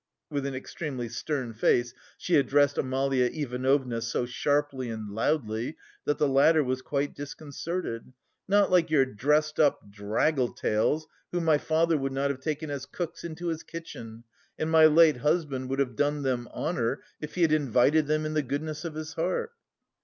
with an extremely stern face she addressed Amalia Ivanovna so sharply and loudly that the latter was quite disconcerted, "not like your dressed up draggletails whom my father would not have taken as cooks into his kitchen, and my late husband would have done them honour if he had invited them in the goodness of his heart."